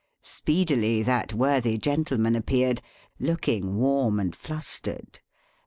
Speedily that worthy gentleman appeared: looking warm and flustered.